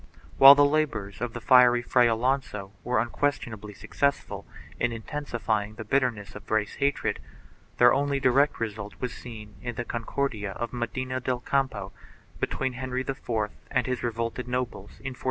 1 While the labors of the fiery Fray Alonso were unquestionably successful in intensifying the bitterness of race hatred, their only direct result was seen in the Concordia of Medina del Campo between Henry IV and his revolted nobles in 1464 5.